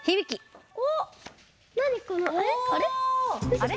あれ？